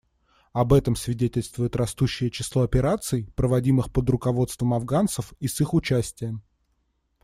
Об этом свидетельствует растущее число операций, проводимых под руководством афганцев и с их участием.